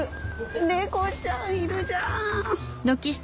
猫ちゃんいるじゃん！